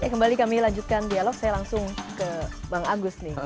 kembali kami lanjutkan dialog saya langsung ke bang agus nih